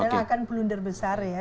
dan akan blunder besar ya